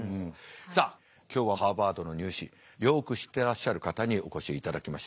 さあ今日はハーバードの入試よく知ってらっしゃる方にお越しいただきました。